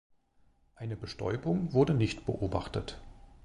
Eine Bestäubung wurde nicht beobachtet.